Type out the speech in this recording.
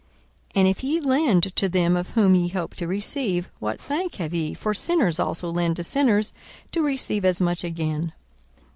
42:006:034 And if ye lend to them of whom ye hope to receive, what thank have ye? for sinners also lend to sinners, to receive as much again.